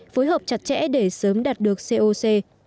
phối hợp chặt chẽ để sớm đạt được coc